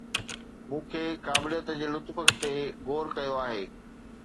مون کي قابليت جي لطف تي غور ڪيو آهي